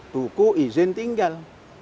buku izin tinggal